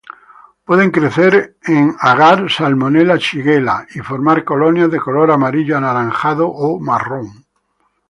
Pueden crecer en agar Salmonella-Shigella y formar colonias de color amarillo anaranjado o marrón.